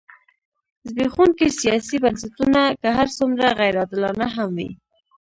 زبېښونکي سیاسي بنسټونه که هر څومره غیر عادلانه هم وي.